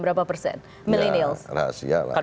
berapa persen milenials rahasia lah